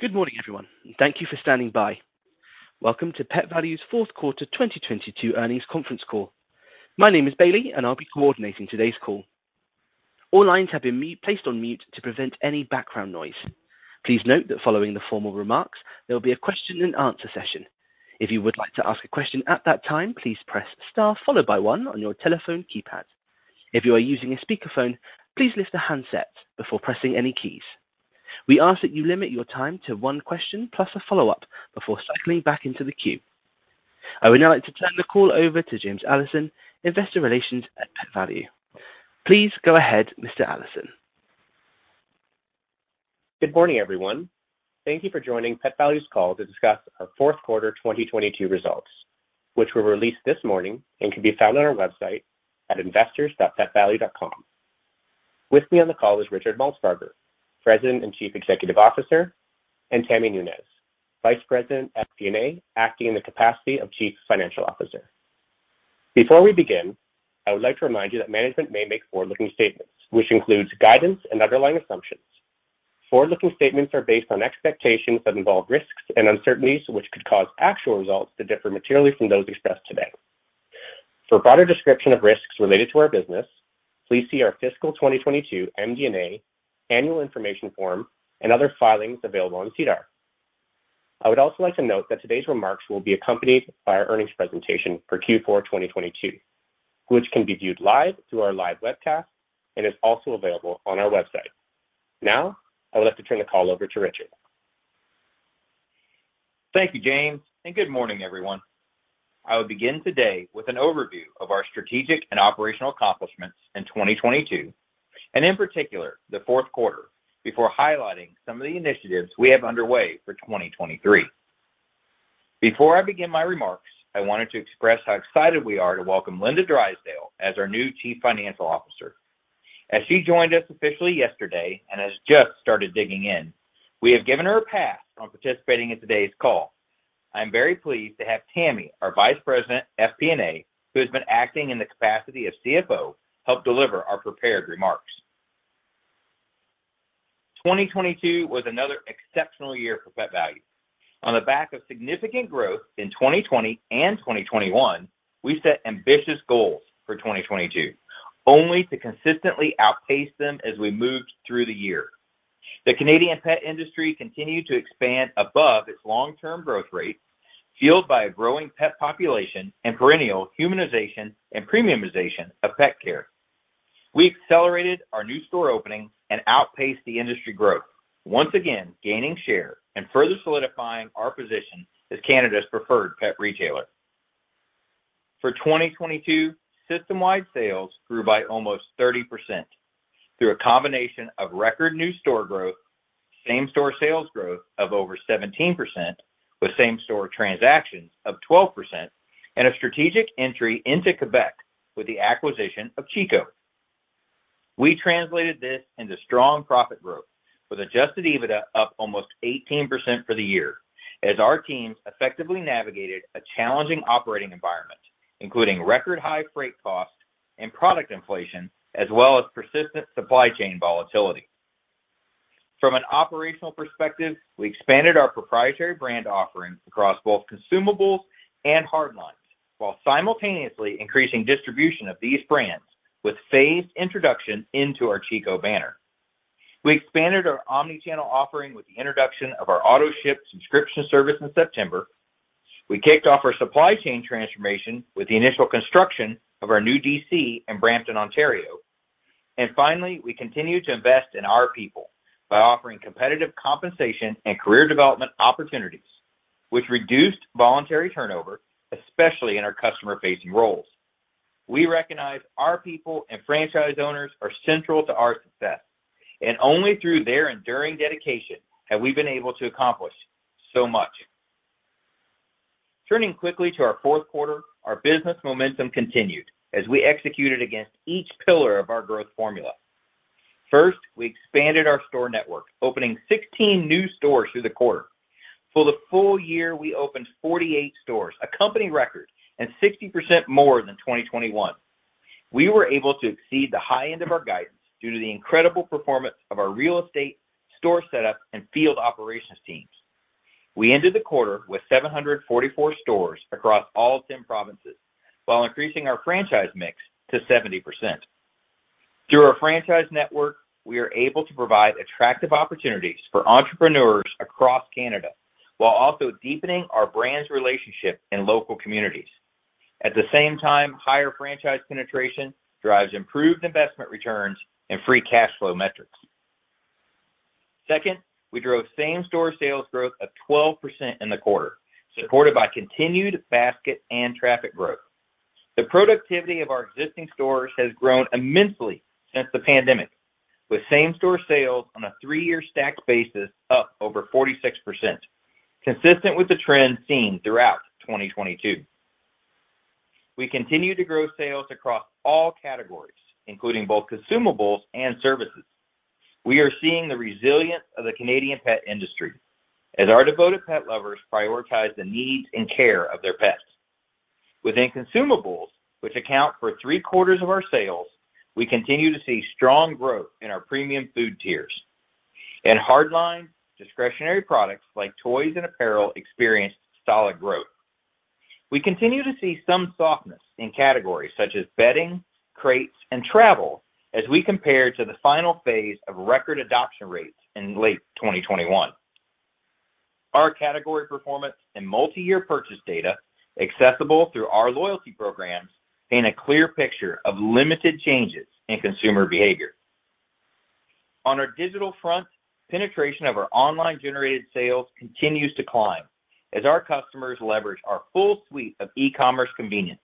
Good morning, everyone. Thank you for standing by. Welcome to Pet Valu's fourth quarter 2022 earnings conference call. My name is Bailey, and I'll be coordinating today's call. All lines have been placed on mute to prevent any background noise. Please note that following the formal remarks, there will be a question-and-answer session. If you would like to ask a question at that time, please press Star followed by one on your telephone keypad. If you are using a speakerphone, please lift the handset before pressing any keys. We ask that you limit your time to one question plus a follow-up before cycling back into the queue. I would now like to turn the call over to James Allison, Investor Relations at Pet Valu. Please go ahead, Mr. Allison. Good morning, everyone. Thank you for joining Pet Valu's call to discuss our fourth quarter 2022 results, which were released this morning and can be found on our website at investors.petvalu.com. With me on the call is Richard Maltsbarger, President and Chief Executive Officer, and Tammy Nunez, Vice President, FP&A, acting in the capacity of Chief Financial Officer. Before we begin, I would like to remind you that management may make forward-looking statements, which includes guidance and underlying assumptions. Forward-looking statements are based on expectations that involve risks and uncertainties, which could cause actual results to differ materially from those expressed today. For a broader description of risks related to our business, please see our fiscal 2022 MD&A, annual information form, and other filings available on SEDAR. I would also like to note that today's remarks will be accompanied by our earnings presentation for Q4 2022, which can be viewed live through our live webcast and is also available on our website. Now, I would like to turn the call over to Richard. Thank you, James, and good morning, everyone. I will begin today with an overview of our strategic and operational accomplishments in 2022, and in particular, the fourth quarter, before highlighting some of the initiatives we have underway for 2023. Before I begin my remarks, I wanted to express how excited we are to welcome Linda Drysdale as our new chief financial officer. As she joined us officially yesterday and has just started digging in, we have given her a pass on participating in today's call. I am very pleased to have Tammy, our Vice President, FP&A, who has been acting in the capacity of CFO, help deliver our prepared remarks. 2022 was another exceptional year for Pet Valu. On the back of significant growth in 2020 and 2021, we set ambitious goals for 2022, only to consistently outpace them as we moved through the year. The Canadian pet industry continued to expand above its long-term growth rate, fueled by a growing pet population and perennial humanization and premiumization of pet care. We accelerated our new store opening and outpaced the industry growth, once again gaining share and further solidifying our position as Canada's preferred pet retailer. For 2022, system-wide sales grew by almost 30% through a combination of record new store growth, same-store sales growth of over 17%, with same-store transactions of 12%, and a strategic entry into Quebec with the acquisition of Chico. We translated this into strong profit growth with Adjusted EBITDA up almost 18% for the year as our teams effectively navigated a challenging operating environment, including record high freight costs and product inflation, as well as persistent supply chain volatility. From an operational perspective, we expanded our proprietary brand offerings across both consumables and hard lines, while simultaneously increasing distribution of these brands with phased introduction into our Chico banner. We expanded our omni-channel offering with the introduction of our AutoShip subscription service in September. We kicked off our supply chain transformation with the initial construction of our new DC in Brampton, Ontario. Finally, we continue to invest in our people by offering competitive compensation and career development opportunities, which reduced voluntary turnover, especially in our customer-facing roles. We recognize our people and franchise owners are central to our success, and only through their enduring dedication have we been able to accomplish so much. Turning quickly to our fourth quarter, our business momentum continued as we executed against each pillar of our growth formula. First, we expanded our store network, opening 16 new stores through the quarter. For the full year, we opened 48 stores, a company record, and 60% more than 2021. We were able to exceed the high end of our guidance due to the incredible performance of our real estate, store setup, and field operations teams. We ended the quarter with 744 stores across all 10 provinces, while increasing our franchise mix to 70%. Through our franchise network, we are able to provide attractive opportunities for entrepreneurs across Canada while also deepening our brand's relationship in local communities. At the same time, higher franchise penetration drives improved investment returns and free cash flow metrics. Second, we drove same-store sales growth of 12% in the quarter, supported by continued basket and traffic growth. The productivity of our existing stores has grown immensely since the pandemic, with same-store sales on a three-year stacked basis up over 46%, consistent with the trend seen throughout 2022. We continue to grow sales across all categories, including both consumables and services. We are seeing the resilience of the Canadian pet industry as our devoted pet lovers prioritize the needs and care of their pets. Within consumables, which account for three-quarters of our sales, we continue to see strong growth in our premium food tiers. In hard line, discretionary products like toys and apparel experienced solid growth. We continue to see some softness in categories such as bedding, crates, and travel as we compare to the final phase of record adoption rates in late 2021. Our category performance and multi-year purchase data accessible through our loyalty programs paint a clear picture of limited changes in consumer behavior. On our digital front, penetration of our online-generated sales continues to climb as our customers leverage our full suite of e-commerce convenience,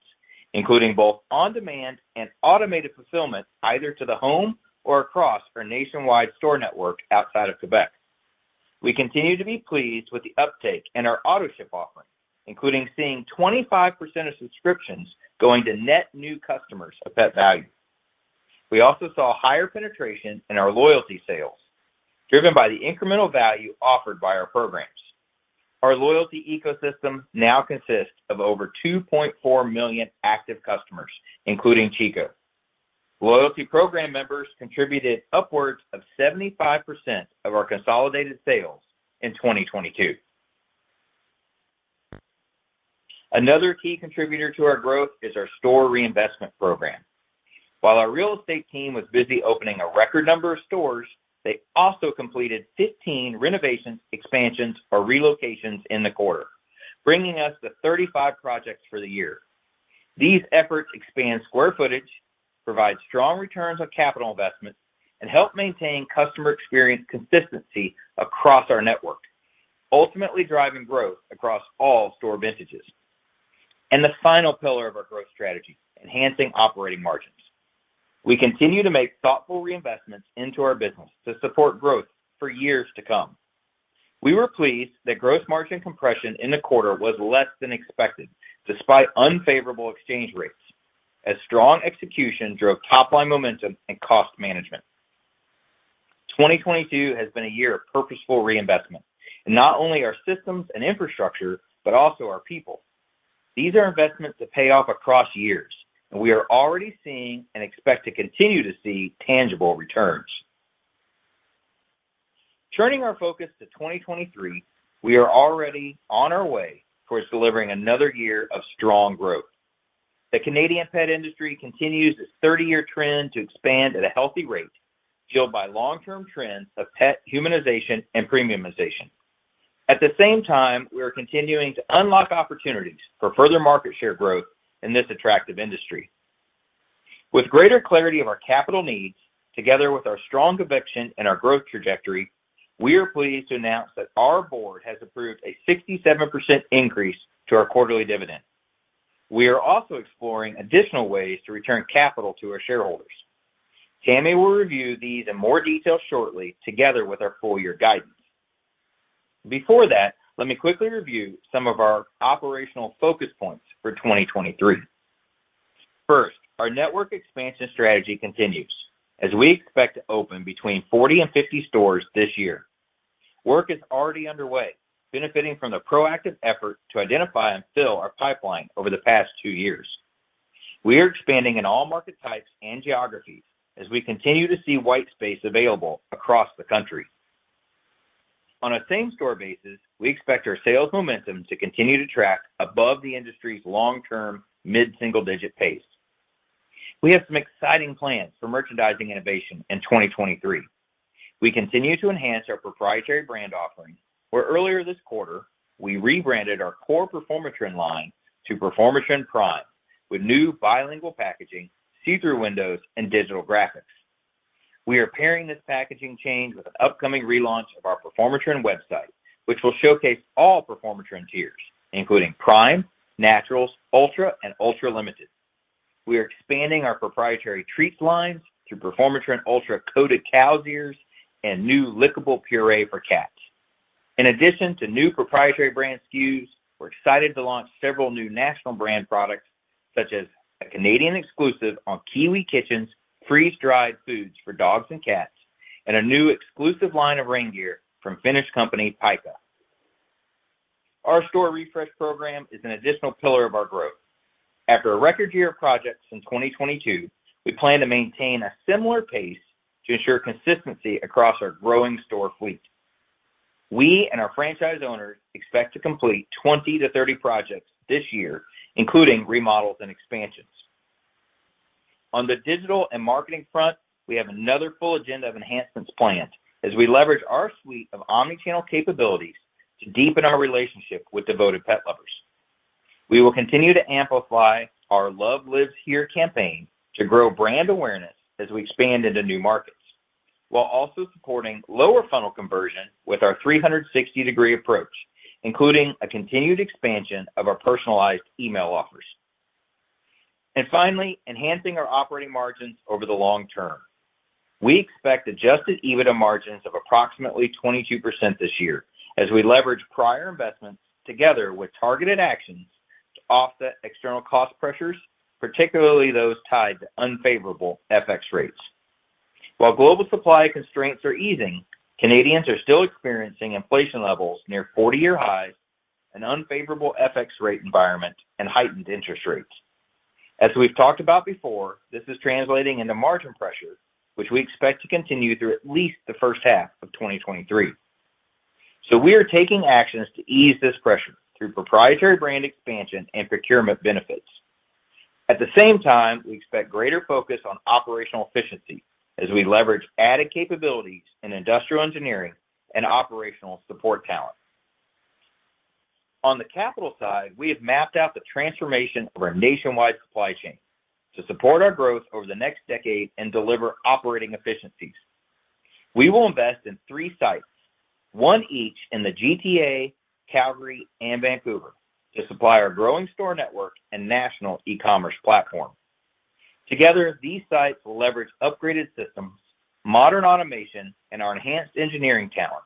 including both on-demand and automated fulfillment, either to the home or across our nationwide store network outside of Quebec. We continue to be pleased with the uptake in our AutoShip offering, including seeing 25% of subscriptions going to net new customers of Pet Valu. We saw higher penetration in our loyalty sales, driven by the incremental value offered by our programs. Our loyalty ecosystem now consists of over 2.4 million active customers, including Chico. Loyalty program members contributed upwards of 75% of our consolidated sales in 2022. Another key contributor to our growth is our store reinvestment program. While our real estate team was busy opening a record number of stores, they also completed 15 renovations, expansions, or relocations in the quarter, bringing us to 35 projects for the year. These efforts expand square footage, provide strong returns on capital investments, and help maintain customer experience consistency across our network, ultimately driving growth across all store vintages. The final pillar of our growth strategy, enhancing operating margins. We continue to make thoughtful reinvestments into our business to support growth for years to come. We were pleased that gross margin compression in the quarter was less than expected, despite unfavorable exchange rates, as strong execution drove top-line momentum and cost management. 2022 has been a year of purposeful reinvestment in not only our systems and infrastructure, but also our people. These are investments that pay off across years, and we are already seeing and expect to continue to see tangible returns. Turning our focus to 2023, we are already on our way towards delivering another year of strong growth. The Canadian pet industry continues its 30-year trend to expand at a healthy rate, fueled by long-term trends of pet humanization and premiumization. At the same time, we are continuing to unlock opportunities for further market share growth in this attractive industry. With greater clarity of our capital needs, together with our strong conviction in our growth trajectory, we are pleased to announce that our board has approved a 67% increase to our quarterly dividend. We are also exploring additional ways to return capital to our shareholders. Tammy will review these in more detail shortly, together with our full year guidance. Let me quickly review some of our operational focus points for 2023. Our network expansion strategy continues as we expect to open between 40 and 50 stores this year. Work is already underway, benefiting from the proactive effort to identify and fill our pipeline over the past two years. We are expanding in all market types and geographies as we continue to see white space available across the country. On a same-store basis, we expect our sales momentum to continue to track above the industry's long-term mid-single-digit pace. We have some exciting plans for merchandising innovation in 2023. We continue to enhance our proprietary brand offering, where earlier this quarter, we rebranded our core Performatrin line to Performatrin Prime with new bilingual packaging, see-through windows, and digital graphics. We are pairing this packaging change with an upcoming relaunch of our Performatrin website, which will showcase all Performatrin tiers, including Prime, Naturals, Ultra, and Ultra Limited. We are expanding our proprietary treats lines through Performatrin Ultra Coated Cow's Ears and new lickable puree for cats. In addition to new proprietary brand SKUs, we're excited to launch several new national brand products, such as a Canadian exclusive on Kiwi Kitchens freeze-dried foods for dogs and cats, and a new exclusive line of rain gear from Finnish company PAIKKA. Our store refresh program is an additional pillar of our growth. After a record year of projects in 2022, we plan to maintain a similar pace to ensure consistency across our growing store fleet. We and our franchise owners expect to complete 20-30 projects this year, including remodels and expansions. On the digital and marketing front, we have another full agenda of enhancements planned as we leverage our suite of omni-channel capabilities to deepen our relationship with devoted pet lovers. We will continue to amplify our Love Lives Here campaign to grow brand awareness as we expand into new markets, while also supporting lower funnel conversion with our 360-degree approach, including a continued expansion of our personalized email offers. Finally, enhancing our operating margins over the long term. We expect Adjusted EBITDA margins of approximately 22% this year as we leverage prior investments together with targeted actions to offset external cost pressures, particularly those tied to unfavorable FX rates. While global supply constraints are easing, Canadians are still experiencing inflation levels near 40-year highs, an unfavorable FX rate environment, and heightened interest rates. As we've talked about before, this is translating into margin pressures, which we expect to continue through at least the first half of 2023. We are taking actions to ease this pressure through proprietary brand expansion and procurement benefits. At the same time, we expect greater focus on operational efficiency as we leverage added capabilities in industrial engineering and operational support talent. On the capital side, we have mapped out the transformation of our nationwide supply chain to support our growth over the next decade and deliver operating efficiencies. We will invest in three sites, one each in the GTA, Calgary, and Vancouver, to supply our growing store network and national e-commerce platform. Together, these sites will leverage upgraded systems, modern automation, and our enhanced engineering talent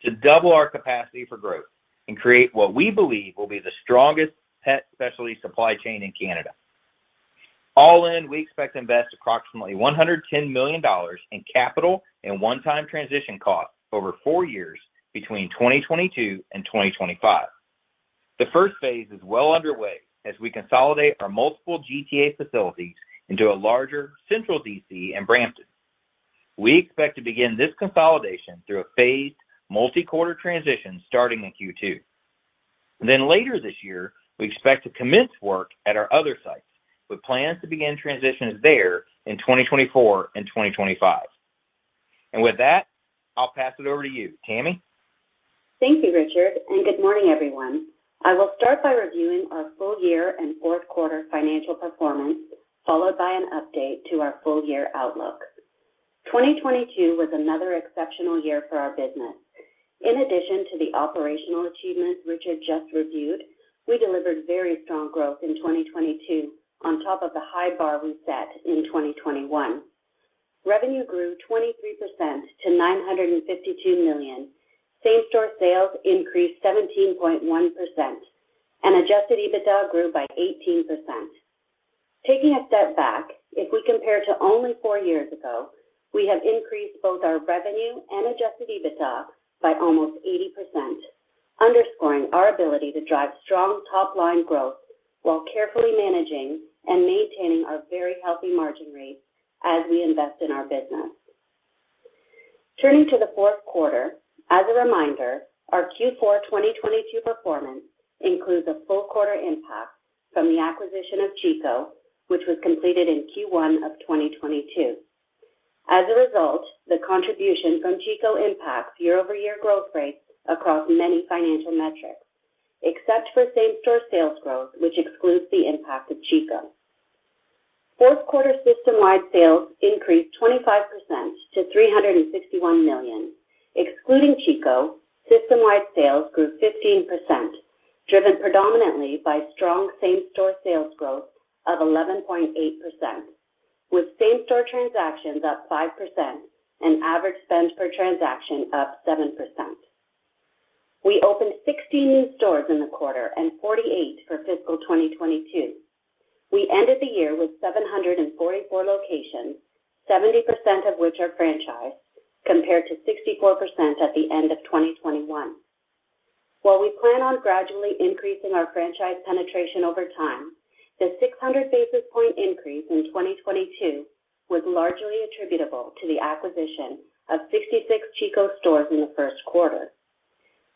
to double our capacity for growth and create what we believe will be the strongest pet specialty supply chain in Canada. All in, we expect to invest approximately 110 million dollars in capital and one-time transition costs over four years between 2022 and 2025. The first phase is well underway as we consolidate our multiple GTA facilities into a larger central DC in Brampton. We expect to begin this consolidation through a phased multi-quarter transition starting in Q2. Later this year, we expect to commence work at our other sites, with plans to begin transitions there in 2024 and 2025. With that, I'll pass it over to you, Tammy. Thank you, Richard. Good morning, everyone. I will start by reviewing our full year and fourth quarter financial performance, followed by an update to our full year outlook. 2022 was another exceptional year for our business. In addition to the operational achievements Richard just reviewed, we delivered very strong growth in 2022 on top of the high bar we set in 2021. Revenue grew 23% to 952 million. Same-store sales increased 17.1%, and Adjusted EBITDA grew by 18%. Taking a step back, if we compare to only four years ago, we have increased both our revenue and Adjusted EBITDA by almost 80%, underscoring our ability to drive strong top-line growth while carefully managing and maintaining our very healthy margin rates as we invest in our business. Turning to the fourth quarter, as a reminder, our Q4 2022 performance includes a full quarter impact from the acquisition of Chico, which was completed in Q1 of 2022. The contribution from Chico impacts year-over-year growth rates across many financial metrics, except for same-store sales growth, which excludes the impact of Chico. Fourth quarter system-wide sales increased 25% to 361 million. Excluding Chico, system-wide sales grew 15%, driven predominantly by strong same-store sales growth of 11.8%, with same-store transactions up 5% and average spend per transaction up 7%. We opened 60 new stores in the quarter and 48 for fiscal 2022. We ended the year with 744 locations, 70% of which are franchised, compared to 64% at the end of 2021. While we plan on gradually increasing our franchise penetration over time, the 600 basis point increase in 2022 was largely attributable to the acquisition of 66 Chico stores in the first quarter.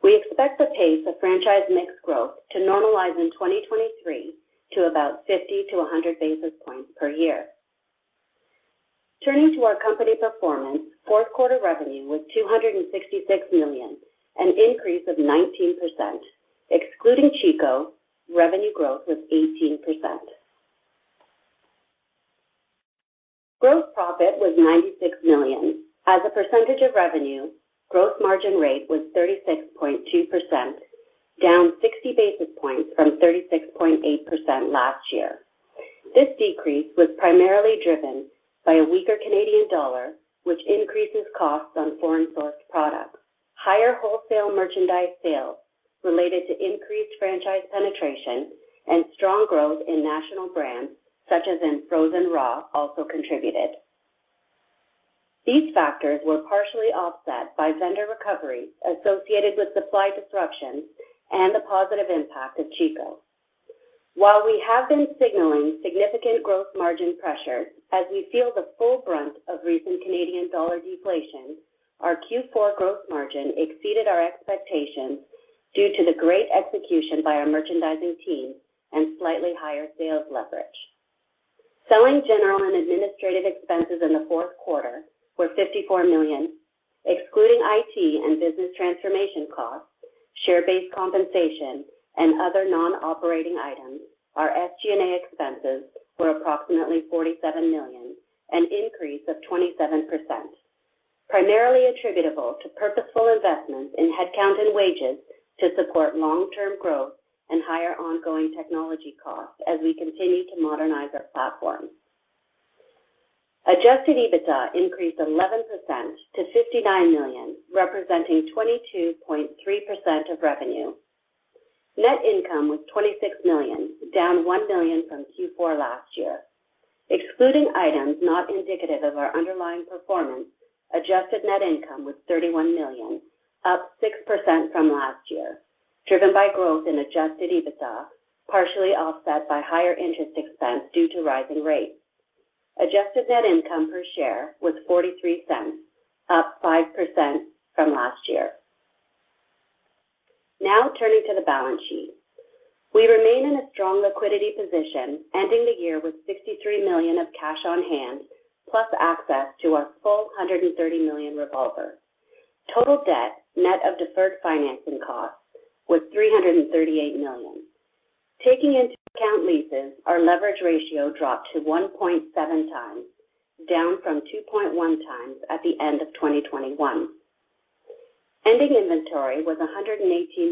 We expect the pace of franchise mix growth to normalize in 2023 to about 50-100 basis points per year. Turning to our company performance, fourth quarter revenue was 266 million, an increase of 19%. Excluding Chico, revenue growth was 18%. Gross profit was 96 million. As a percentage of revenue, gross margin rate was 36.2%, down 60 basis points from 36.8% last year. This decrease was primarily driven by a weaker Canadian dollar, which increases costs on foreign-sourced products. Higher wholesale merchandise sales related to increased franchise penetration and strong growth in national brands, such as in Frozen Raw, also contributed. These factors were partially offset by vendor recoveries associated with supply disruptions and the positive impact of Chico. While we have been signaling significant growth margin pressure as we feel the full brunt of recent Canadian dollar deflation, our Q4 growth margin exceeded our expectations due to the great execution by our merchandising team and slightly higher sales leverage. Selling, general, and administrative expenses in the fourth quarter were 54 million. Excluding IT and business transformation costs, share-based compensation, and other non-operating items, our SG&A expenses were approximately 47 million, an increase of 27%, primarily attributable to purposeful investments in headcount and wages to support long-term growth and higher ongoing technology costs as we continue to modernize our platform. Adjusted EBITDA increased 11% to 59 million, representing 22.3% of revenue. Net income was 26 million, down 1 million from Q4 last year. Excluding items not indicative of our underlying performance, Adjusted net income was 31 million, up 6% from last year, driven by growth in Adjusted EBITDA, partially offset by higher interest expense due to rising rates. Adjusted net income per share was 0.43, up 5% from last year. Turning to the balance sheet. We remain in a strong liquidity position, ending the year with 63 million of cash on hand, plus access to our full 130 million revolver. Total debt, net of deferred financing costs, was 338 million. Taking into account leases, our leverage ratio dropped to 1.7 times, down from 2.1 times at the end of 2021. Ending inventory was 118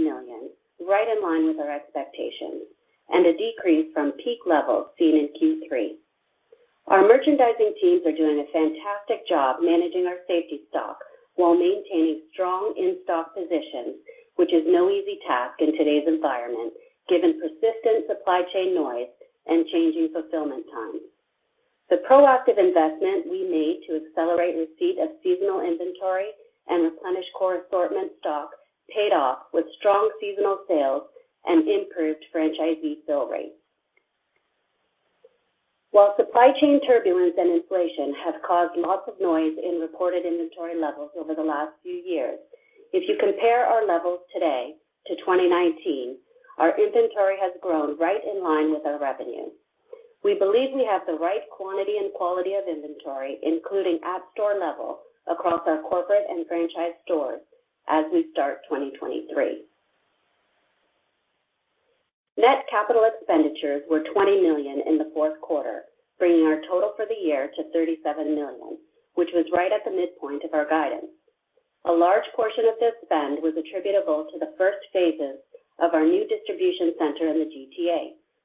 million, right in line with our expectations and a decrease from peak levels seen in Q3. Our merchandising teams are doing a fantastic job managing our safety stock while maintaining strong in-stock positions, which is no easy task in today's environment, given persistent supply chain noise and changing fulfillment times. The proactive investment we made to accelerate receipt of seasonal inventory and replenish core assortment stock paid off with strong seasonal sales and improved franchisee fill rates. While supply chain turbulence and inflation have caused lots of noise in reported inventory levels over the last few years, if you compare our levels today to 2019, our inventory has grown right in line with our revenue. We believe we have the right quantity and quality of inventory, including at store level across our corporate and franchise stores as we start 2023. Net CapEx were 20 million in the fourth quarter, bringing our total for the year to 37 million, which was right at the midpoint of our guidance. A large portion of this spend was attributable to the first phases of our new DC in the GTA,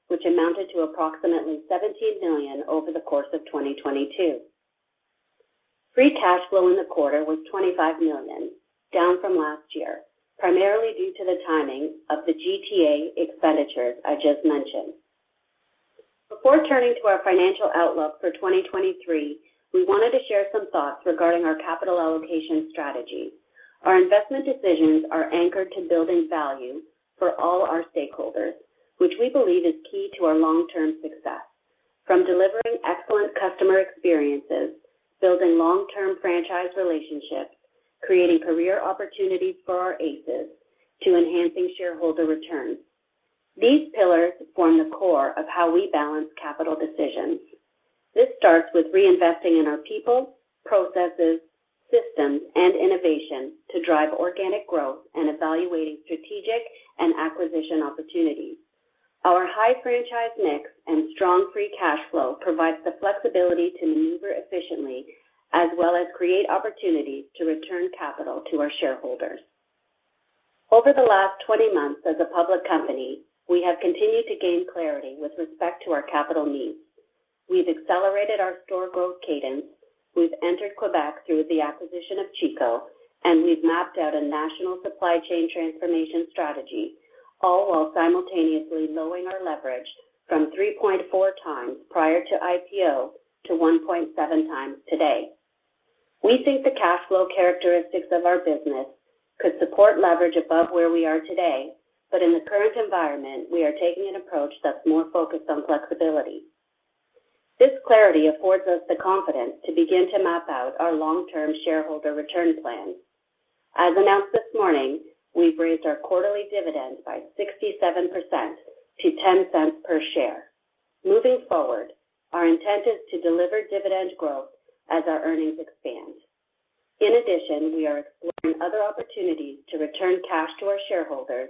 which amounted to approximately 17 million over the course of 2022. Free cash flow in the quarter was 25 million, down from last year, primarily due to the timing of the GTA expenditures I just mentioned. Turning to our financial outlook for 2023, we wanted to share some thoughts regarding our capital allocation strategy. Our investment decisions are anchored to building value for all our stakeholders, which we believe is key to our long-term success. From delivering excellent customer experiences, building long-term franchise relationships, creating career opportunities for our ACEs, to enhancing shareholder returns. These pillars form the core of how we balance capital decisions. This starts with reinvesting in our people, processes, systems, and innovation to drive organic growth and evaluating strategic and acquisition opportunities. Our high franchise mix and strong free cash flow provides the flexibility to maneuver efficiently as well as create opportunities to return capital to our shareholders. Over the last 20 months as a public company, we have continued to gain clarity with respect to our capital needs. We've accelerated our store growth cadence, we've entered Quebec through the acquisition of Chico, and we've mapped out a national supply chain transformation strategy, all while simultaneously lowering our leverage from 3.4 times prior to IPO to 1.7 times today. We think the cash flow characteristics of our business could support leverage above where we are today, but in the current environment, we are taking an approach that's more focused on flexibility. This clarity affords us the confidence to begin to map out our long-term shareholder return plan. As announced this morning, we've raised our quarterly dividend by 67% to 0.10 per share. Moving forward, our intent is to deliver dividend growth as our earnings expand. In addition, we are exploring other opportunities to return cash to our shareholders,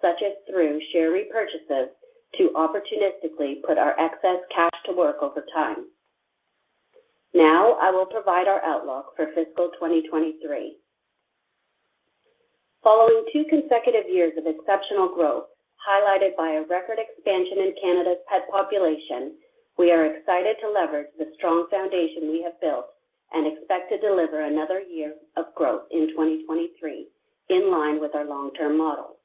such as through share repurchases, to opportunistically put our excess cash to work over time. Now, I will provide our outlook for fiscal 2023. Following two consecutive years of exceptional growth, highlighted by a record expansion in Canada's pet population, we are excited to leverage the strong foundation we have built and expect to deliver another year of growth in 2023, in line with our long-term model.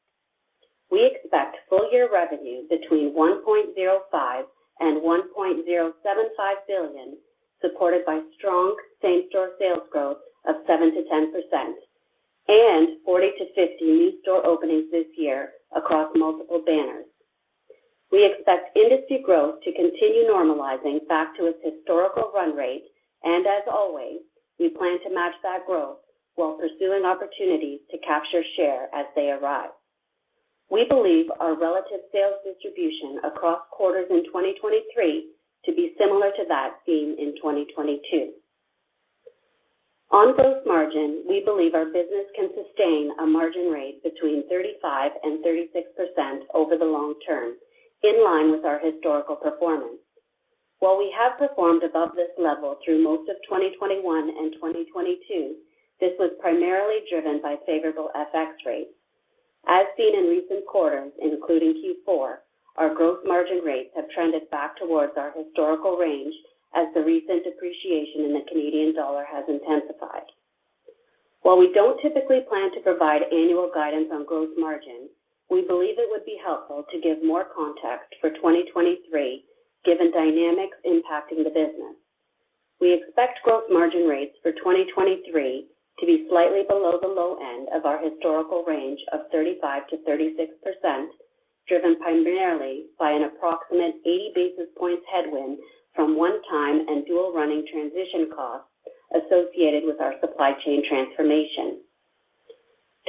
We expect full-year revenue between 1.05 billion and 1.075 billion, supported by strong same-store sales growth of 7%-10% and 40-50 new store openings this year across multiple banners. We expect industry growth to continue normalizing back to its historical run rate, and as always, we plan to match that growth while pursuing opportunities to capture share as they arrive. We believe our relative sales distribution across quarters in 2023 to be similar to that seen in 2022. On gross margin, we believe our business can sustain a margin rate between 35% and 36% over the long term, in line with our historical performance. While we have performed above this level through most of 2021 and 2022, this was primarily driven by favorable FX rates. As seen in recent quarters, including Q4, our gross margin rates have trended back towards our historical range as the recent depreciation in the Canadian dollar has intensified. While we don't typically plan to provide annual guidance on gross margin, we believe it would be helpful to give more context for 2023, given dynamics impacting the business. We expect growth margin rates for 2023 to be slightly below the low end of our historical range of 35%-36%, driven primarily by an approximate 80 basis points headwind from one-time and dual running transition costs associated with our supply chain transformation.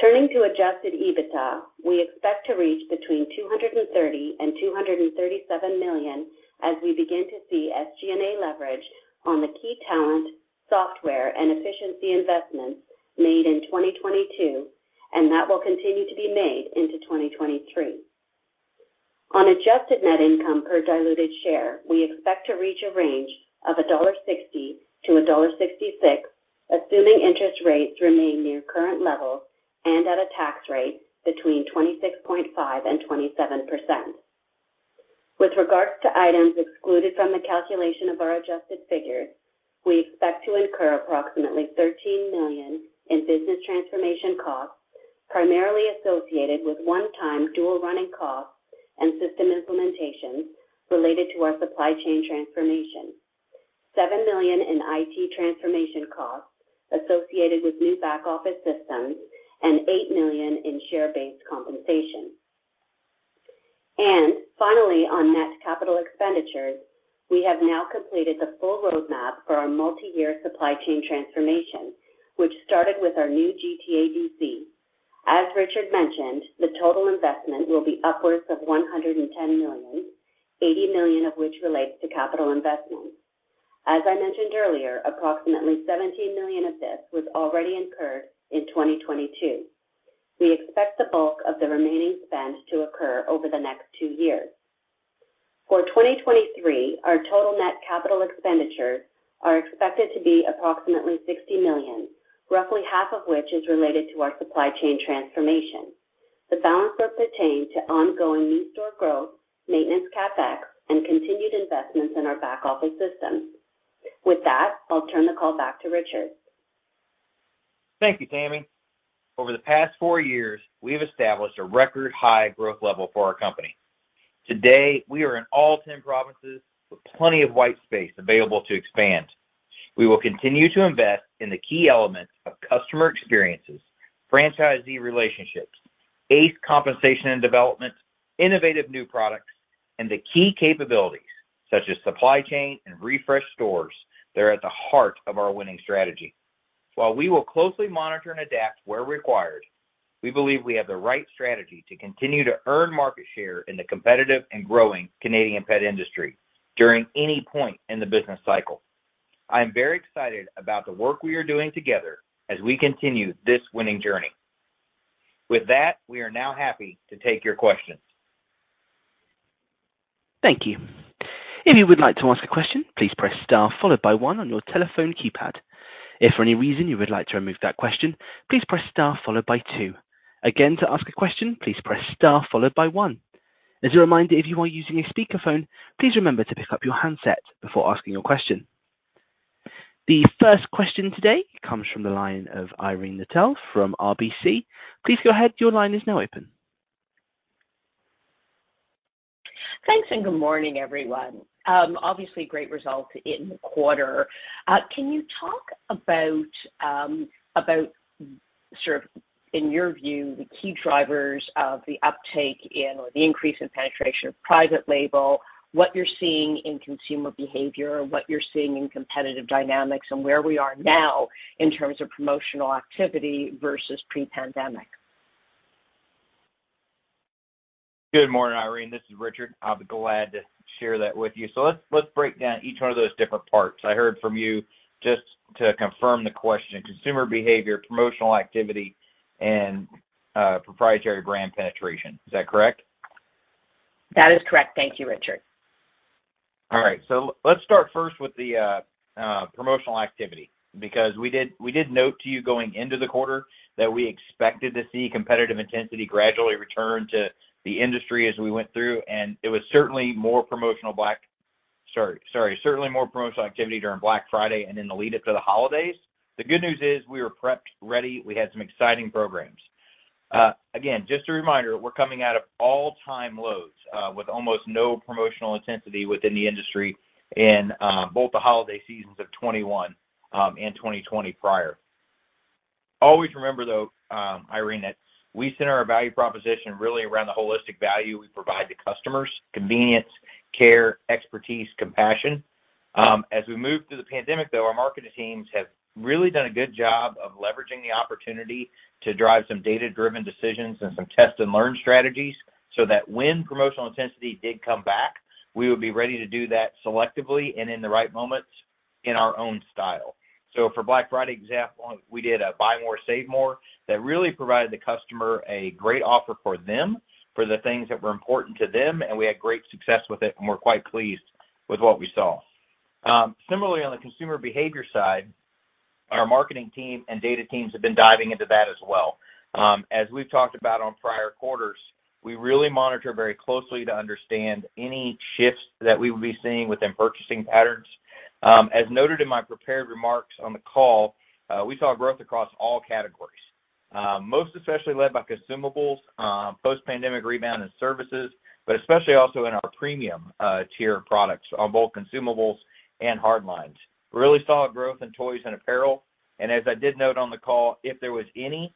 Turning to Adjusted EBITDA, we expect to reach between 230 million and 237 million as we begin to see SG&A leverage on the key talent, software, and efficiency investments made in 2022, and that will continue to be made into 2023. On adjusted net income per diluted share, we expect to reach a range of $1.60-$1.66, assuming interest rates remain near current levels and at a tax rate between 26.5% and 27%. With regards to items excluded from the calculation of our adjusted figures, we expect to incur approximately 13 million in business transformation costs, primarily associated with one-time dual running costs and system implementations related to our supply chain transformation. 7 million in IT transformation costs associated with new back-office systems and 8 million in share-based compensation. Finally, on net capital expenditures, we have now completed the full roadmap for our multi-year supply chain transformation, which started with our new GTA DC. As Richard mentioned, the total investment will be upwards of 110 million, 80 million of which relates to capital investments. As I mentioned earlier, approximately 17 million of this was already incurred in 2022. We expect the bulk of the remaining spend to occur over the next two years. For 2023, our total net capital expenditures are expected to be approximately 60 million, roughly half of which is related to our supply chain transformation. The balance will pertain to ongoing new store growth, maintenance CapEx, and continued investments in our back-office systems. With that, I'll turn the call back to Richard. Thank you, Tammy. Over the past four years, we have established a record high growth level for our company. Today, we are in all 10 provinces with plenty of white space available to expand. We will continue to invest in the key elements of customer experiences, franchisee relationships, ACE compensation and development, innovative new products, and the key capabilities such as supply chain and refreshed stores that are at the heart of our winning strategy. While we will closely monitor and adapt where required, we believe we have the right strategy to continue to earn market share in the competitive and growing Canadian pet industry during any point in the business cycle. I am very excited about the work we are doing together as we continue this winning journey. We are now happy to take your questions. Thank you. If you would like to ask a question, please press star followed by 1 on your telephone keypad. If for any reason you would like to remove that question, please press star followed by two. Again, to ask a question, please press star followed by 1. As a reminder, if you are using a speakerphone, please remember to pick up your handset before asking your question. The first question today comes from the line of Irene Nattel from RBC. Please go ahead. Your line is now open. Thanks. Good morning, everyone. Obviously, great results in the quarter. Can you talk about sort of, in your view, the key drivers of the uptake in or the increase in penetration of private label, what you're seeing in consumer behavior, what you're seeing in competitive dynamics, and where we are now in terms of promotional activity versus pre-pandemic? Good morning, Irene. This is Richard. I'll be glad to share that with you. Let's break down each one of those different parts. I heard from you just to confirm the question, consumer behavior, promotional activity, and proprietary brand penetration. Is that correct? That is correct. Thank you, Richard. All right. Let's start first with the promotional activity, because we did note to you going into the quarter that we expected to see competitive intensity gradually return to the industry as we went through. It was certainly more promotional activity during Black Friday and in the lead up to the holidays. The good news is we were prepped, ready. We had some exciting programs. Again, just a reminder, we're coming out of all-time lows with almost no promotional intensity within the industry in both the holiday seasons of 2021 and 2020 prior. Always remember, though, Irene, that we center our value proposition really around the holistic value we provide to customers: convenience, care, expertise, compassion. As we moved through the pandemic, though, our marketing teams have really done a good job of leveraging the opportunity to drive some data-driven decisions and some test-and-learn strategies so that when promotional intensity did come back, we would be ready to do that selectively and in the right moments in our own style. For Black Friday example, we did a buy more, save more that really provided the customer a great offer for them, for the things that were important to them, and we had great success with it, and we're quite pleased with what we saw. Similarly, on the consumer behavior side, our marketing team and data teams have been diving into that as well. As we've talked about on prior quarters, we really monitor very closely to understand any shifts that we will be seeing within purchasing patterns. As noted in my prepared remarks on the call, we saw growth across all categories. Most especially led by consumables, post-pandemic rebound in services, but especially also in our premium tier products on both consumables and hard lines. Really solid growth in toys and apparel, as I did note on the call, if there was any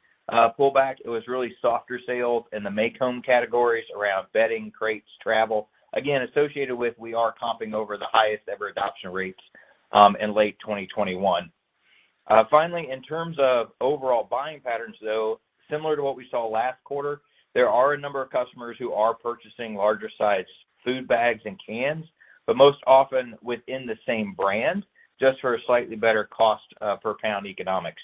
pullback, it was really softer sales in the make home categories around bedding, crates, travel, again, associated with we are comping over the highest ever adoption rates in late 2021. Finally, in terms of overall buying patterns, though, similar to what we saw last quarter, there are a number of customers who are purchasing larger sized food bags and cans, but most often within the same brand, just for a slightly better cost per pound economics.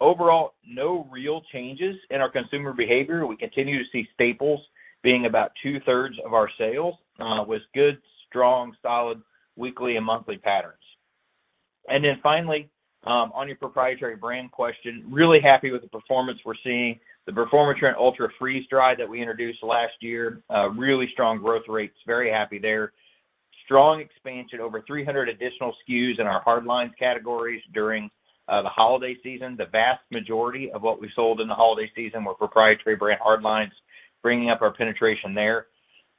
Overall, no real changes in our consumer behavior. We continue to see staples being about two-thirds of our sales, with good, strong, solid weekly and monthly patterns. Finally, on your proprietary brand question, really happy with the performance we're seeing. The Performatrin Ultra Freeze-Dried that we introduced last year, really strong growth rates, very happy there. Strong expansion, over 300 additional SKUs in our hard lines categories during the holiday season. The vast majority of what we sold in the holiday season were proprietary brand hard lines, bringing up our penetration there.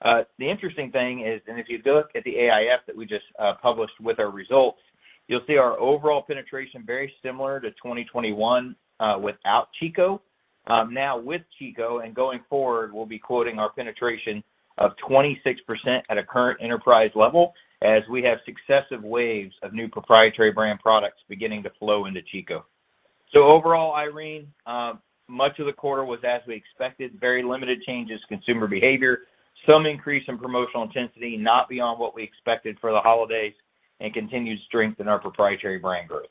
The interesting thing is, if you look at the AIF that we just published with our results, you'll see our overall penetration very similar to 2021, without Chico. Now with Chico and going forward, we'll be quoting our penetration of 26% at a current enterprise level as we have successive waves of new proprietary brand products beginning to flow into Chico. Overall, Irene, much of the quarter was as we expected, very limited changes to consumer behavior, some increase in promotional intensity, not beyond what we expected for the holidays, and continued strength in our proprietary brand growth.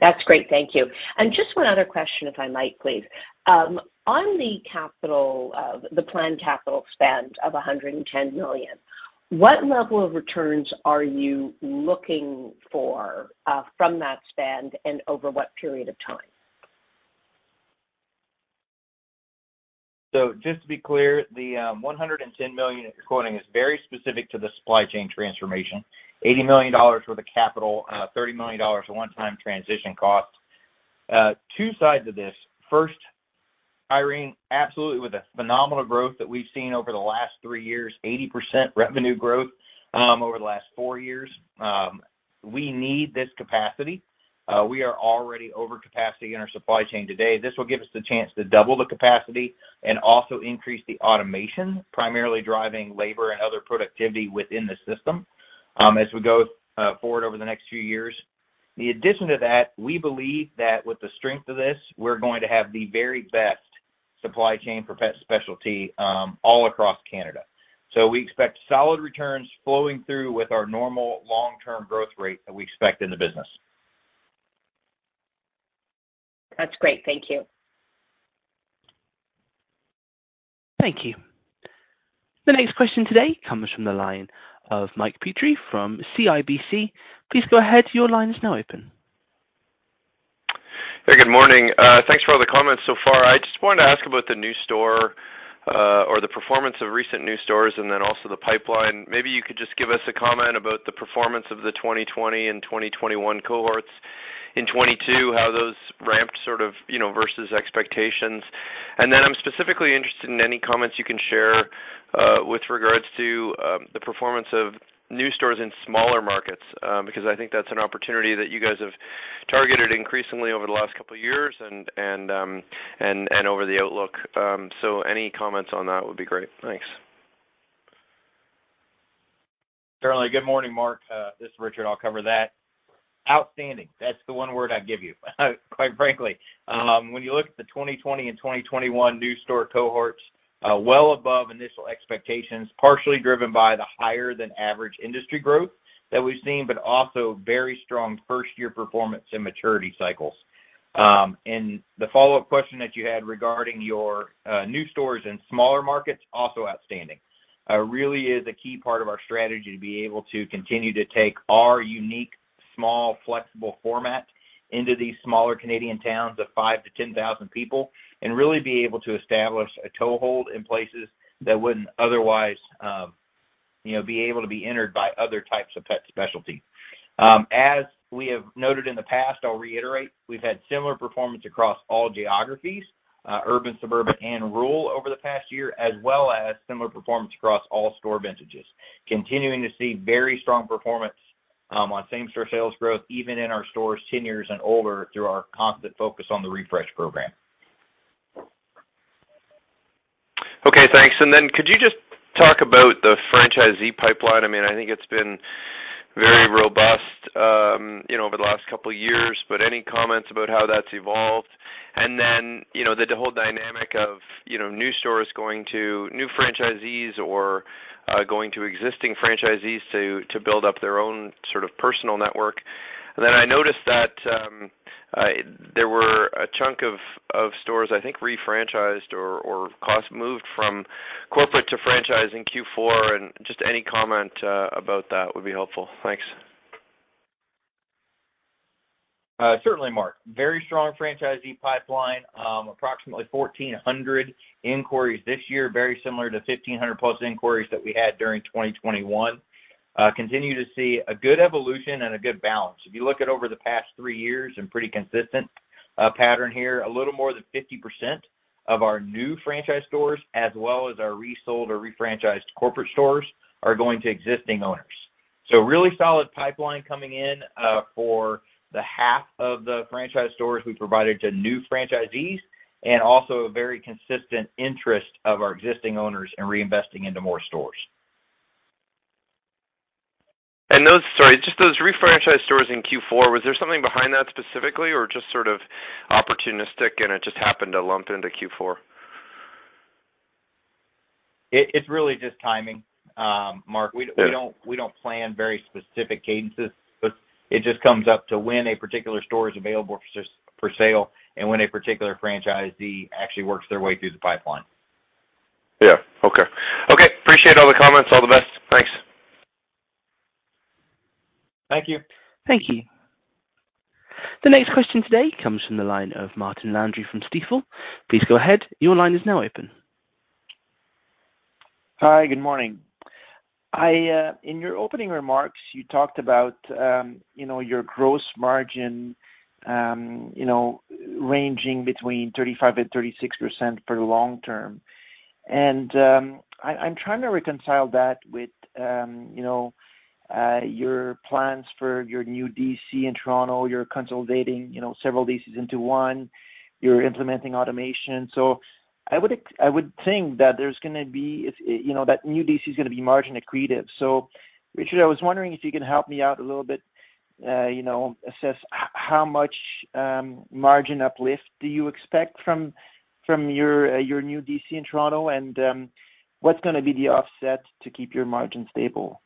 That's great. Thank you. Just one other question, if I might, please. On the capital, the planned capital spend of 110 million, what level of returns are you looking for from that spend and over what period of time? Just to be clear, the 110 million that you're quoting is very specific to the supply chain transformation. 80 million dollars worth of capital, 30 million dollars of one-time transition costs. Two sides of this. First, Irene, absolutely with the phenomenal growth that we've seen over the last three years, 80% revenue growth, over the last four years, we need this capacity. We are already over capacity in our supply chain today. This will give us the chance to double the capacity and also increase the automation, primarily driving labor and other productivity within the system, as we go forward over the next few years. In addition to that, we believe that with the strength of this, we're going to have the very best supply chain for pet specialty all across Canada. We expect solid returns flowing through with our normal long-term growth rate that we expect in the business. That's great. Thank you. Thank you. The next question today comes from the line of Mark Petrie from CIBC. Please go ahead. Your line is now open. Hey, good morning. Thanks for all the comments so far. I just wanted to ask about the new store, or the performance of recent new stores and then also the pipeline. Maybe you could just give us a comment about the performance of the 2020 and 2021 cohorts. In 2022, how those ramped sort of, you know, versus expectations. I'm specifically interested in any comments you can share with regards to the performance of new stores in smaller markets, because I think that's an opportunity that you guys have targeted increasingly over the last couple of years and over the outlook. Any comments on that would be great. Thanks. Certainly. Good morning, Mark. This is Richard. I'll cover that. Outstanding. That's the one word I'd give you, quite frankly. When you look at the 2020 and 2021 new store cohorts, well above initial expectations, partially driven by the higher than average industry growth that we've seen, but also very strong first-year performance and maturity cycles. The follow-up question that you had regarding your new stores in smaller markets, also outstanding. Really is a key part of our strategy to be able to continue to take our unique, small, flexible format into these smaller Canadian towns of 5-10,000 people and really be able to establish a toehold in places that wouldn't otherwise, you know, be able to be entered by other types of pet specialty. As we have noted in the past, I'll reiterate, we've had similar performance across all geographies, urban, suburban, and rural over the past year, as well as similar performance across all store vintages. Continuing to see very strong performance on same store sales growth, even in our stores 10 years and older through our constant focus on the refresh program. Okay, thanks. Could you just talk about the franchisee pipeline? I mean, I think it's been very robust, you know, over the last couple of years, but any comments about how that's evolved? Then, you know, the whole dynamic of, you know, new stores going to new franchisees or going to existing franchisees to build up their own sort of personal network. I noticed that there were a chunk of stores, I think, re-franchised or cost moved from corporate to franchise in Q4, and just any comment about that would be helpful. Thanks. Certainly, Mark. Very strong franchisee pipeline. Approximately 1,400 inquiries this year, very similar to 1,500 plus inquiries that we had during 2021. Continue to see a good evolution and a good balance. If you look at over the past three years and pretty consistent pattern here, a little more than 50% of our new franchise stores as well as our resold or refranchised corporate stores are going to existing owners. Really solid pipeline coming in for the half of the franchise stores we provided to new franchisees and also a very consistent interest of our existing owners in reinvesting into more stores. Sorry, just those refranchised stores in Q4, was there something behind that specifically or just sort of opportunistic, and it just happened to lump into Q4? It's really just timing, Mark. Sure. We don't plan very specific cadences, but it just comes up to when a particular store is available for sale and when a particular franchisee actually works their way through the pipeline. Yeah. Okay. Okay. Appreciate all the comments. All the best. Thanks. Thank you. Thank you. The next question today comes from the line of Martin Landry from Stifel. Please go ahead. Your line is now open. Hi. Good morning. I, you know, In your opening remarks, you talked about, you know, your gross margin, you know, ranging between 35% and 36% for long term. I'm trying to reconcile that with, you know, your plans for your new DC in Toronto. You're consolidating, you know, several DCs into one. You're implementing automation. I would think that there's gonna be, you know, that new DC is gonna be margin accretive. Richard, I was wondering if you could help me out a little bit, you know, assess how much margin uplift do you expect from your new DC in Toronto, and what's gonna be the offset to keep your margin stable?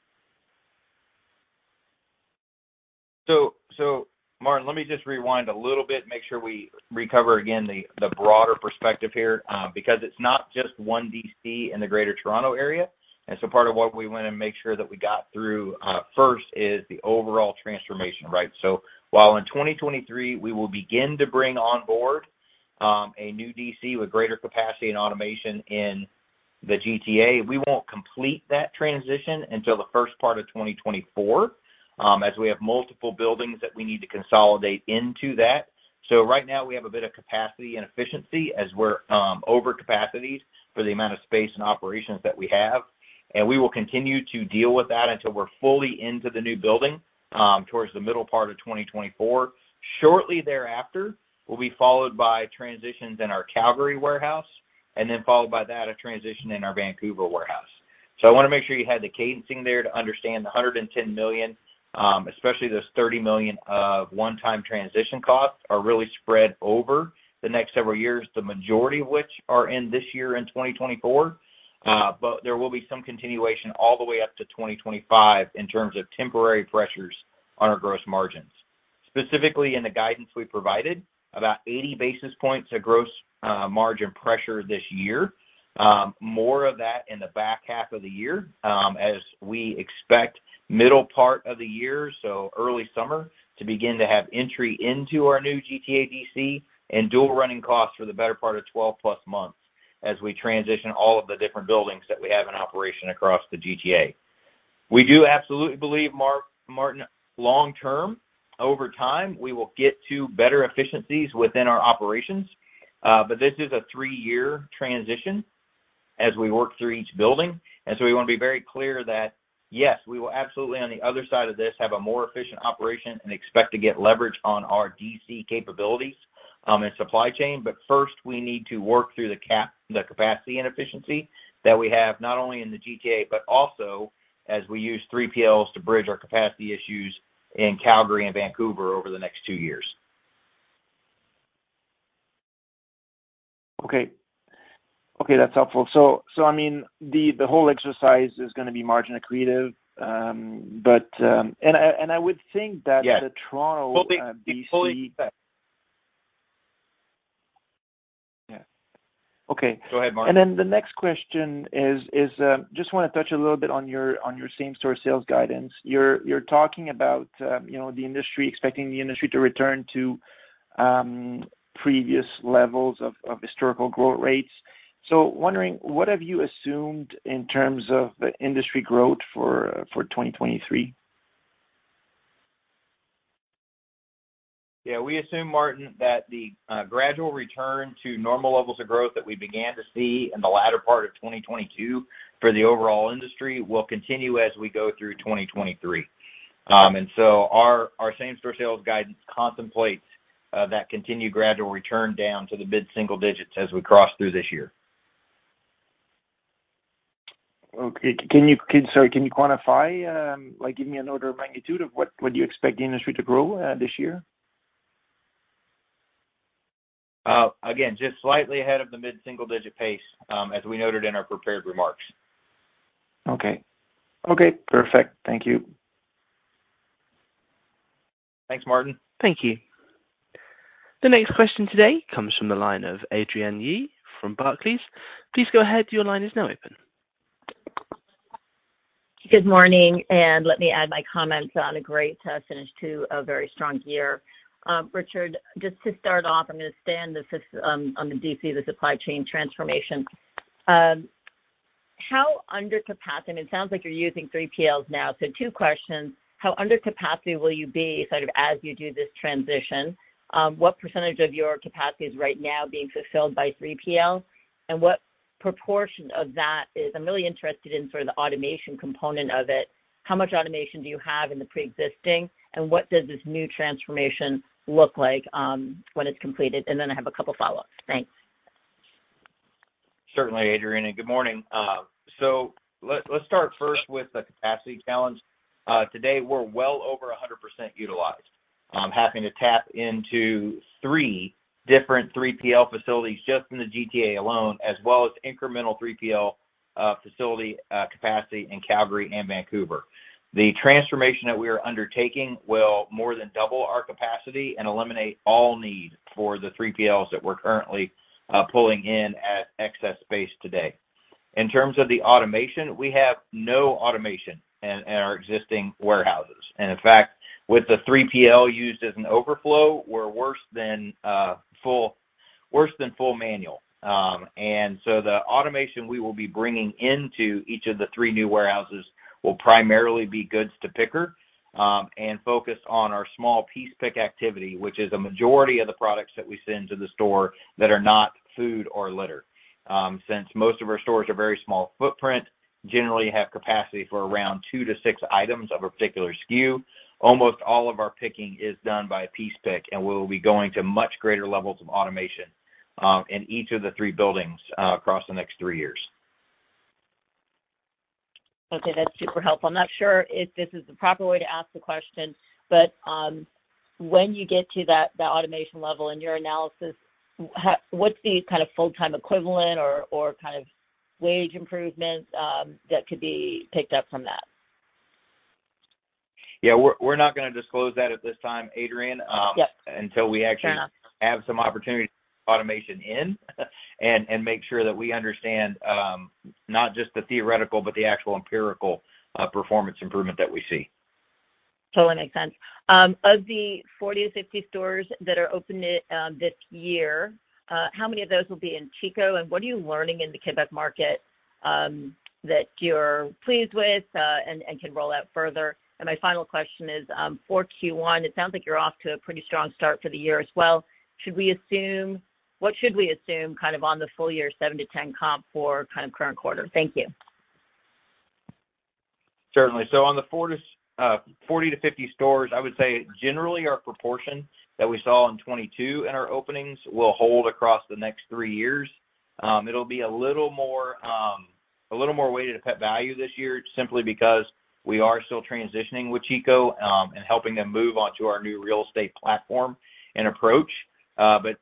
Martin, let me just rewind a little bit, make sure we recover again the broader perspective here, because it's not just one DC in the Greater Toronto Area. Part of what we wanna make sure that we got through, first is the overall transformation, right? While in 2023 we will begin to bring on board, a new DC with greater capacity and automation in the GTA, we won't complete that transition until the first part of 2024, as we have multiple buildings that we need to consolidate into that. Right now we have a bit of capacity and efficiency as we're, over capacity for the amount of space and operations that we have. We will continue to deal with that until we're fully into the new building, towards the middle part of 2024. Shortly thereafter will be followed by transitions in our Calgary warehouse and then followed by that a transition in our Vancouver warehouse. I wanna make sure you had the cadencing there to understand the 110 million, especially this 30 million of one-time transition costs are really spread over the next several years, the majority of which are in this year in 2024. But there will be some continuation all the way up to 2025 in terms of temporary pressures on our gross margins. Specifically in the guidance we provided, about 80 basis points of gross margin pressure this year. More of that in the back half of the year, as we expect middle part of the year, so early summer to begin to have entry into our new GTA DC and dual running costs for the better part of 12+ months as we transition all of the different buildings that we have in operation across the GTA. We do absolutely believe, Martin, long term over time, we will get to better efficiencies within our operations. This is a three-year transition as we work through each building. We wanna be very clear that, yes, we will absolutely on the other side of this have a more efficient operation and expect to get leverage on our DC capabilities and supply chain. First we need to work through the capacity and efficiency that we have, not only in the GTA but also as we use 3PLs to bridge our capacity issues in Calgary and Vancouver over the next two years. Okay, that's helpful. I mean, the whole exercise is gonna be margin accretive. I would think. Yeah. -the Toronto- Fully. -D.C... Yeah. Okay. Go ahead, Martin. The next question is, just wanna touch a little bit on your same-store sales guidance. You're talking about, you know, the industry expecting the industry to return to previous levels of historical growth rates. Wondering, what have you assumed in terms of the industry growth for 2023? We assume, Martin, that the gradual return to normal levels of growth that we began to see in the latter part of 2022 for the overall industry will continue as we go through 2023. Our same-store sales guidance contemplates that continued gradual return down to the mid-single digits as we cross through this year. Okay. Can you quantify, like give me an order of magnitude of what you expect the industry to grow this year? Again, just slightly ahead of the mid-single digit pace, as we noted in our prepared remarks. Okay. Okay, perfect. Thank you. Thanks, Martin. Thank you. The next question today comes from the line of Adrienne Yih from Barclays. Please go ahead. Your line is now open. Good morning. Let me add my comments on a great finish to a very strong year. Richard, just to start off, I'm gonna stay on the DC, the supply chain transformation. How under capacity... It sounds like you're using 3PLs now, so two questions. How under capacity will you be sort of as you do this transition? What % of your capacity is right now being fulfilled by 3PL? What proportion of that is? I'm really interested in sort of the automation component of it. How much automation do you have in the preexisting, and what does this new transformation look like when it's completed? I have a couple follow-ups. Thanks. Certainly, Adrienne. Good morning. Let's start first with the capacity challenge. Today we're well over 100% utilized. I'm having to tap into three different 3PL facilities just in the GTA alone, as well as incremental 3PL facility capacity in Calgary and Vancouver. The transformation that we are undertaking will more than double our capacity and eliminate all need for the 3PLs that we're currently pulling in as excess space today. In terms of the automation, we have no automation in our existing warehouses. In fact, with the 3PL used as an overflow, we're worse than full manual. The automation we will be bringing into each of the three new warehouses will primarily be goods-to-picker and focus on our small piece pick activity, which is a majority of the products that we send to the store that are not food or litter. Since most of our stores are very small footprint, generally have capacity for around two to six items of a particular SKU, almost all of our picking is done by a piece pick, and we'll be going to much greater levels of automation in each of the three buildings across the next three years. Okay, that's super helpful. I'm not sure if this is the proper way to ask the question, but, when you get to that automation level in your analysis, what's the kind of full-time equivalent or kind of wage improvements, that could be picked up from that? Yeah, we're not gonna disclose that at this time, Adrienne. Yep. until we. Fair enough. have some opportunity automation in and make sure that we understand, not just the theoretical, but the actual empirical, performance improvement that we see. Totally makes sense. Of the 40-50 stores that are opening this year, how many of those will be in Chico, and what are you learning in the Quebec market that you're pleased with, and can roll out further? My final question is, for Q1, it sounds like you're off to a pretty strong start for the year as well. What should we assume kind of on the full year 7%-10% comp for kind of current quarter? Thank you. Certainly. On the 40-50 stores, I would say generally our proportion that we saw in 2022 in our openings will hold across the next tree years. It'll be a little more weighted to Pet Valu this year simply because we are still transitioning with Chico and helping them move onto our new real estate platform and approach.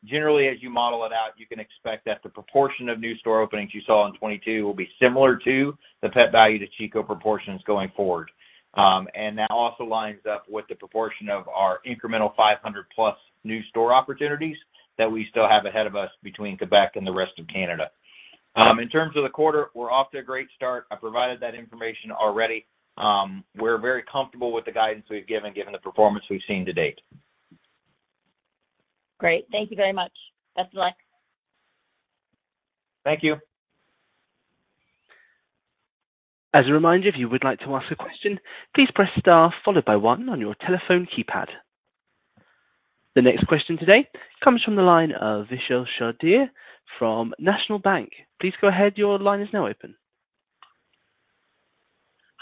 Generally, as you model it out, you can expect that the proportion of new store openings you saw in 2022 will be similar to the Pet Valu to Chico proportions going forward. That also lines up with the proportion of our incremental 500+ new store opportunities that we still have ahead of us between Québec and the rest of Canada. In terms of the quarter, we're off to a great start. I provided that information already. We're very comfortable with the guidance we've given the performance we've seen to date. Great. Thank you very much. Best of luck. Thank you. As a reminder, if you would like to ask a question, please press star followed by one on your telephone keypad. The next question today comes from the line of Vishal Shreedhar from National Bank. Please go ahead. Your line is now open.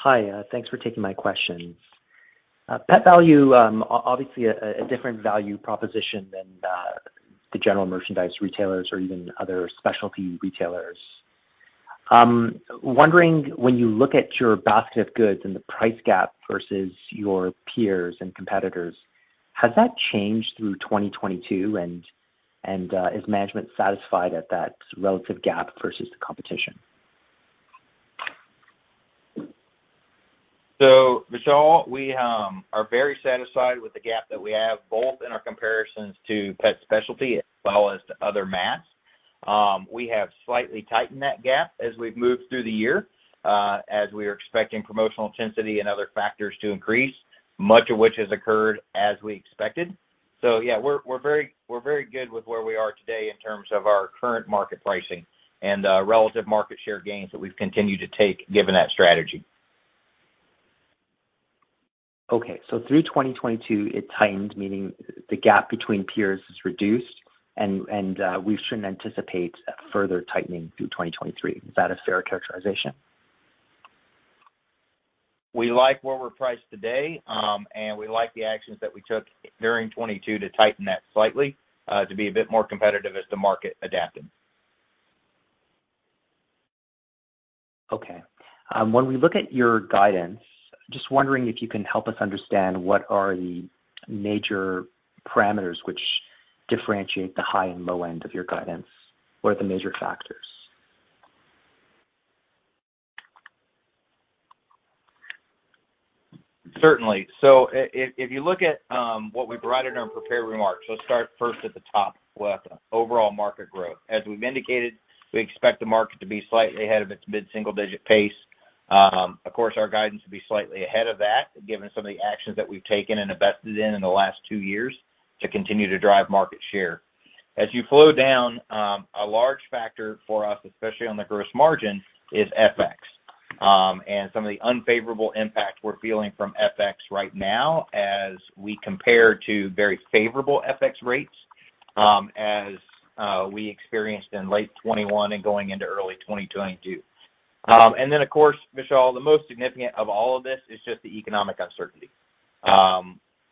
Hi, thanks for taking my questions. Pet Valu, obviously a different value proposition than the general merchandise retailers or even other specialty retailers. Wondering when you look at your basket of goods and the price gap versus your peers and competitors, has that changed through 2022 and is management satisfied at that relative gap versus the competition? Vishal, we are very satisfied with the gap that we have, both in our comparisons to pet specialty as well as to other mass. We have slightly tightened that gap as we've moved through the year, as we are expecting promotional intensity and other factors to increase, much of which has occurred as we expected. Yeah, we're very good with where we are today in terms of our current market pricing and relative market share gains that we've continued to take given that strategy. Okay, through 2022, it tightened, meaning the gap between peers is reduced and, we shouldn't anticipate further tightening through 2023. Is that a fair characterization? We like where we're priced today, and we like the actions that we took during 2022 to tighten that slightly, to be a bit more competitive as the market adapted. Okay. When we look at your guidance, just wondering if you can help us understand what are the major parameters which differentiate the high and low end of your guidance. What are the major factors? Certainly. If you look at what we provided in our prepared remarks, let's start first at the top with overall market growth. As we've indicated, we expect the market to be slightly ahead of its mid-single digit pace. Of course, our guidance will be slightly ahead of that, given some of the actions that we've taken and invested in the last two years to continue to drive market share. As you flow down, a large factor for us, especially on the gross margin, is FX. Some of the unfavorable impact we're feeling from FX right now as we compare to very favorable FX rates as we experienced in late 2021 and going into early 2022. Of course, Vishal, the most significant of all of this is just the economic uncertainty.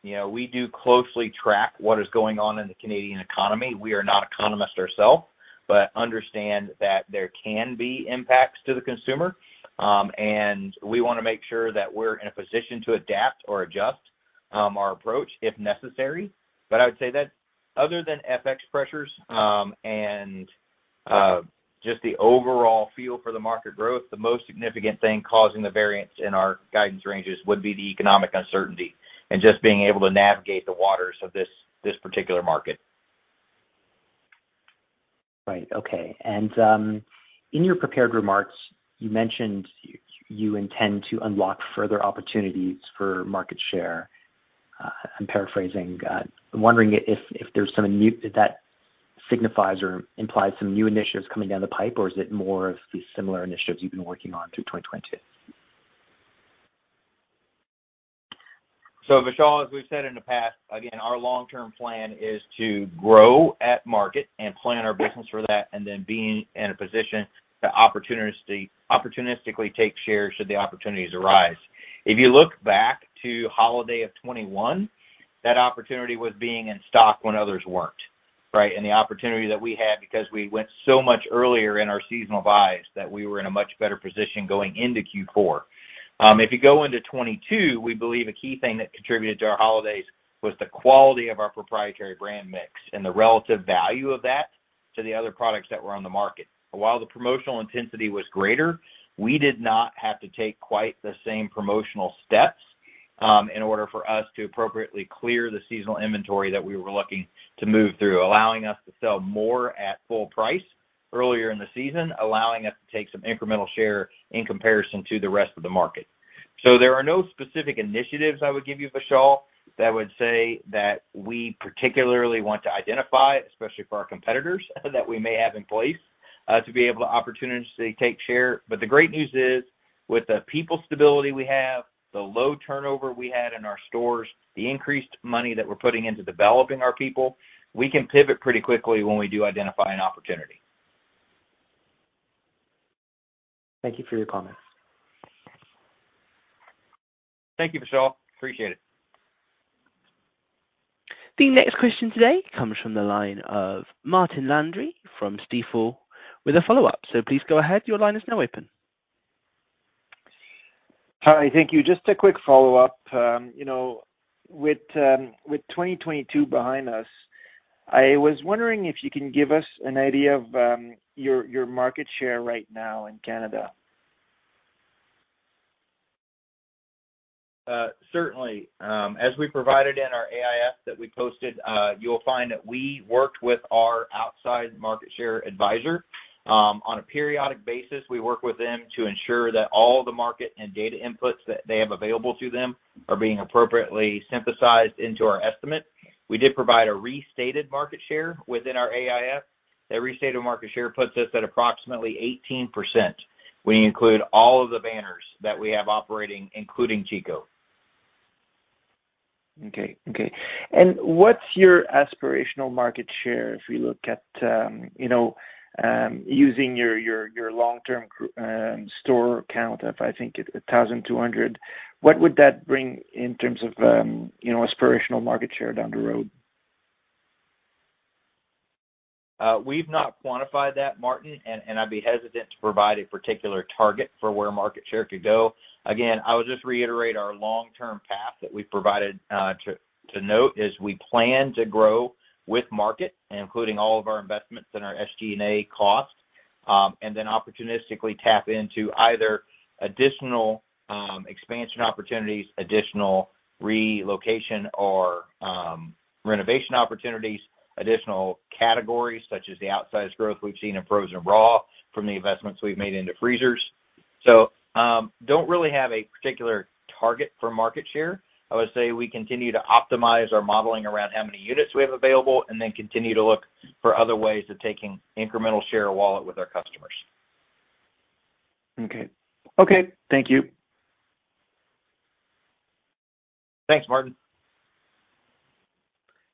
You know, we do closely track what is going on in the Canadian economy. We are not economists ourselves, but understand that there can be impacts to the consumer, and we wanna make sure that we're in a position to adapt or adjust our approach if necessary. I would say that other than FX pressures, and just the overall feel for the market growth, the most significant thing causing the variance in our guidance ranges would be the economic uncertainty and just being able to navigate the waters of this particular market. Right. Okay. In your prepared remarks, you mentioned you intend to unlock further opportunities for market share. I'm paraphrasing. I'm wondering if that signifies or implies some new initiatives coming down the pipe, or is it more of the similar initiatives you've been working on through 2022? Vishal, as we've said in the past, again, our long-term plan is to grow at market and plan our business for that and then being in a position to opportunistically take shares should the opportunities arise. If you look back to holiday of 2021, that opportunity was being in stock when others weren't, right? The opportunity that we had because we went so much earlier in our seasonal buys that we were in a much better position going into Q4. If you go into 2022, we believe a key thing that contributed to our holidays was the quality of our proprietary brand mix and the relative value of that to the other products that were on the market. While the promotional intensity was greater, we did not have to take quite the same promotional steps, in order for us to appropriately clear the seasonal inventory that we were looking to move through, allowing us to sell more at full price earlier in the season, allowing us to take some incremental share in comparison to the rest of the market. There are no specific initiatives I would give you, Vishal, that would say that we particularly want to identify, especially for our competitors, that we may have in place, to be able to opportunistically take share. The great news is, with the people stability we have, the low turnover we had in our stores, the increased money that we're putting into developing our people, we can pivot pretty quickly when we do identify an opportunity. Thank you for your comments. Thank you, Vishal. Appreciate it. The next question today comes from the line of Martin Landry from Stifel with a follow-up. Please go ahead. Your line is now open. Hi. Thank you. Just a quick follow-up. you know, with 2022 behind us, I was wondering if you can give us an idea of, your market share right now in Canada. Certainly. As we provided in our AIF that we posted, you'll find that we worked with our outside market share advisor. On a periodic basis, we work with them to ensure that all the market and data inputs that they have available to them are being appropriately synthesized into our estimate. We did provide a restated market share within our AIF. That restated market share puts us at approximately 18%. We include all of the banners that we have operating, including Chico. Okay. What's your aspirational market share if you look at, you know, using your long-term store count of 1,200, what would that bring in terms of, you know, aspirational market share down the road? We've not quantified that, Martin, and I'd be hesitant to provide a particular target for where market share could go. Again, I would just reiterate our long-term path that we've provided to note is we plan to grow with market, including all of our investments in our SG&A costs, and then opportunistically tap into either additional expansion opportunities, additional relocation or renovation opportunities, additional categories such as the outsized growth we've seen in Frozen Raw from the investments we've made into freezers. Don't really have a particular target for market share. I would say we continue to optimize our modeling around how many units we have available and then continue to look for other ways of taking incremental share of wallet with our customers. Okay. Okay. Thank you. Thanks, Martin.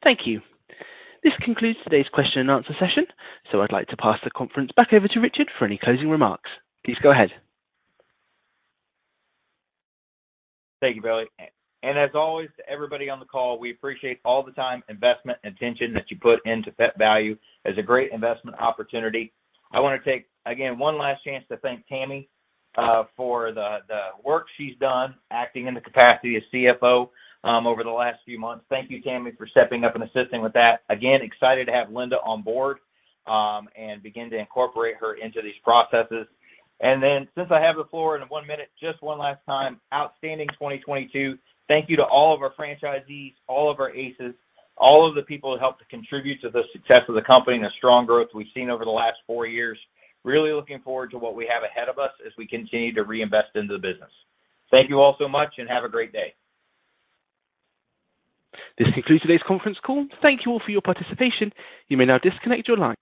Thank you. This concludes today's question and answer session, so I'd like to pass the conference back over to Richard for any closing remarks. Please go ahead. Thank you, Bailey. As always, to everybody on the call, we appreciate all the time, investment, and attention that you put into Pet Valu as a great investment opportunity. I wanna take again one last chance to thank Tammy for the work she's done acting in the capacity as CFO over the last few months. Thank you, Tammy, for stepping up and assisting with that. Again, excited to have Linda on board and begin to incorporate her into these processes. Since I have the floor and one minute, just one last time, outstanding 2022. Thank you to all of our franchisees, all of our ACEs, all of the people who helped to contribute to the success of the company and the strong growth we've seen over the last four years. Really looking forward to what we have ahead of us as we continue to reinvest into the business. Thank you all so much and have a great day. This concludes today's conference call. Thank you all for your participation. You may now disconnect your line.